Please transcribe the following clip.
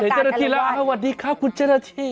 อารมณ์ประมาณเห็นเจ้าหน้าที่แล้วอ่ะวันนี้ครับคุณเจ้าหน้าที่